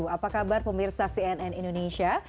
apa kabar pemirsa cnn indonesia